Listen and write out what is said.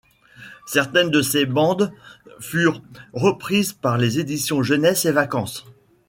Certaines de ses bandes furent reprises par les Éditions Jeunesse et vacances.